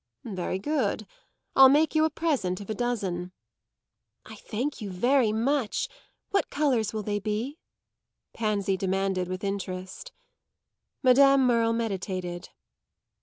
"Very good, I'll make you a present of a dozen." "I thank you very much. What colours will they be?" Pansy demanded with interest. Madame Merle meditated.